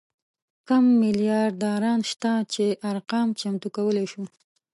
کم میلیاردران شته چې ارقام چمتو کولی شو.